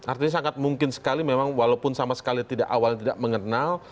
artinya sangat mungkin sekali memang walaupun sama sekali tidak awalnya tidak mengenal